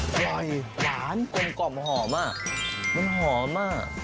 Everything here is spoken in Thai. อร่อยหวานกลมกล่อมหอมมันหอมมาก